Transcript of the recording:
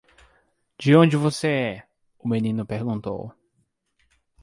"De onde você é?" o menino perguntou.